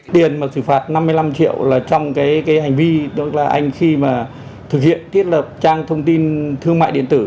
tiền mà xử phạt năm mươi năm triệu là trong cái hành vi đó là anh khi mà thực hiện tiết lập trang thông tin thương mại điện tử